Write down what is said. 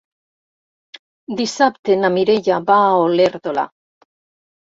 Dissabte na Mireia va a Olèrdola.